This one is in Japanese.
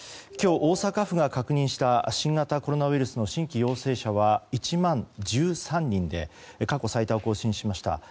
今日、大阪府が確認した新型コロナウイルスの新規陽性者は１万１３人で過去最多を更新しました。